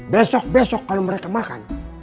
besok besok kalau mereka makan